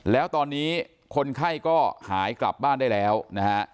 แล้วตอนนี้คนไข้ก็หายกลับบ้านได้แล้วนะฮะ